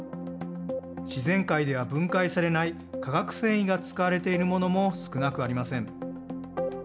自然界では分解されない化学繊維が使われているものも少なくありません。